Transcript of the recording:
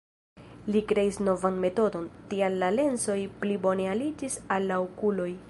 Li kreis novan metodon, tial la lensoj pli bone aliĝis al la okuloj.